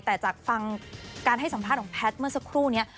แต่จากฟังการให้สัมภาษณ์ของแพทย์เมื่อสักครู่นี้